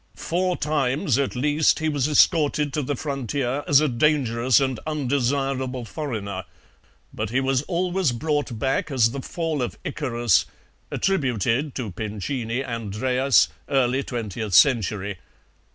Four times at least he was escorted to the frontier as a dangerous and undesirable foreigner, but he was always brought back as the Fall of Icarus (attributed to Pincini, Andreas, early Twentieth Century).